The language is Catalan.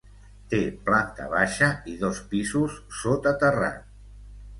Té planta baixa i dos pisos sota terrat.